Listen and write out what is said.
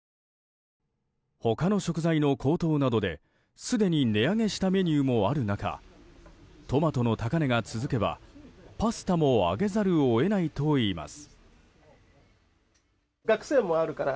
他の食材の高騰などですでに値上げしたメニューもある中トマトの高値が続けばパスタも上げざるを得ないといいます。